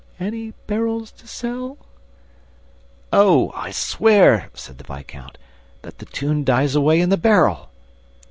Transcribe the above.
... Any barrels to sell? ..." "Oh, I swear," said the viscount, "that the tune dies away in the barrel!